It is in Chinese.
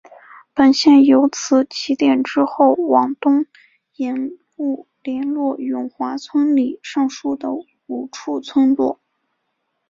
本线由此起点之后往东沿路连络永华村里上述的五处村落。